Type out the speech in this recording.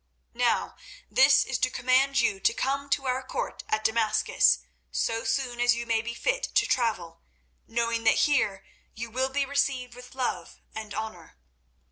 Now this is to command you to come to our court at Damascus so soon as you may be fit to travel, knowing that here you will be received with love and honour.